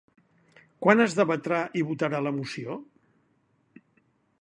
Quan es debatrà i votarà la moció?